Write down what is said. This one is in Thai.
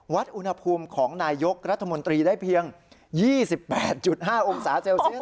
วัดอุณหภูมิของนายยกรัฐมนตรีได้เพียง๒๘๕องศาเซลเซียส